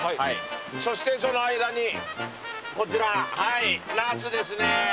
そしてその間にこちらはいナスですね。